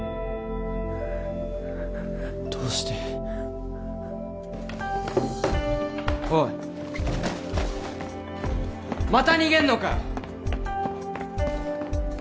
どうしておいまた逃げんのかよ